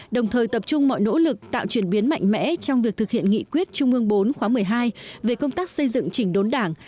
đồng thời tập trung mọi nỗ lực tạo chuyển biến mạnh mẽ trong việc thực hiện nghị quyết trung ương bốn khóa một mươi hai về công tác xây dựng chỉnh đốn đảng